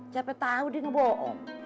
siapa tau dia ngebohong